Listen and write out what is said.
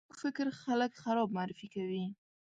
کوږ فکر خلک خراب معرفي کوي